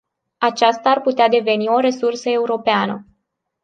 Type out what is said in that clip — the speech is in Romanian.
Aceasta ar putea deveni o resursă europeană.